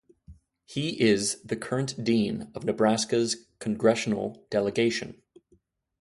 He is the current dean of Nebraska's Congressional delegation.